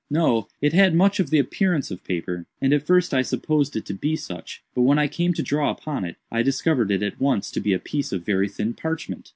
"No; it had much of the appearance of paper, and at first I supposed it to be such, but when I came to draw upon it, I discovered it, at once, to be a piece of very thin parchment.